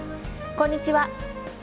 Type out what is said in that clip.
こんにちは。